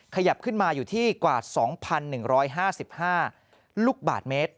ขยับขึ้นมาอยู่ที่กว่า๒๑๕๕ลูกบาทเมตร